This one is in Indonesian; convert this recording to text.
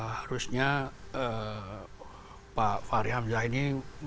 harusnya pak fahri hamzah ini